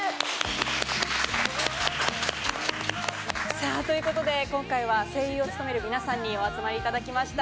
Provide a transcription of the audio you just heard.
さぁということで今回は声優を務める皆さんにお集まりいただきました。